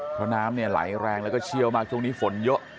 เพราะน้ำเนี่ยไหลแรงแล้วก็เชี่ยวมากช่วงนี้ฝนเยอะ